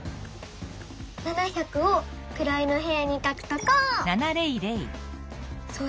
「７００」をくらいのへやにかくとこう！